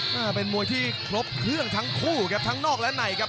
หน้าเป็นมวยที่ครบเครื่องทั้งคู่ครับทั้งนอกและในครับ